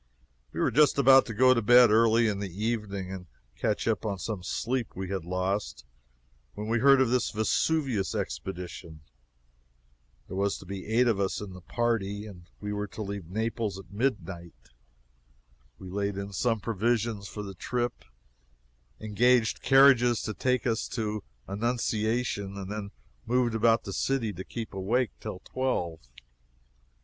We were just about to go to bed early in the evening, and catch up on some of the sleep we had lost, when we heard of this Vesuvius expedition. There was to be eight of us in the party, and we were to leave Naples at midnight. We laid in some provisions for the trip, engaged carriages to take us to Annunciation, and then moved about the city, to keep awake, till twelve.